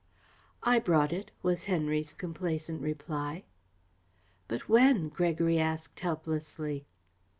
"I brought it," was Henry's complacent reply. "But when?" Gregory asked helplessly.